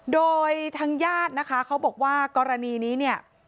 โดยทางญาตินะคะเขาบอกว่ากรณีนี้เนี่ย